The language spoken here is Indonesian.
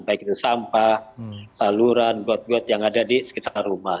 baik itu sampah saluran got got yang ada di sekitar rumah